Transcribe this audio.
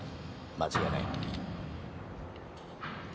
間違いない。